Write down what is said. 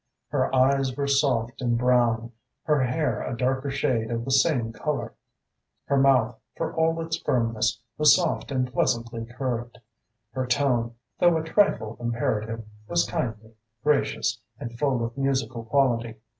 Her eyes were soft and brown, her hair a darker shade of the same colour. Her mouth, for all its firmness, was soft and pleasantly curved. Her tone, though a trifle imperative, was kindly, gracious and full of musical quality.